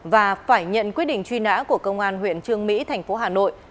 và phải nhận quyết định truy nã của công an huyện trương mỹ thành phố hà nội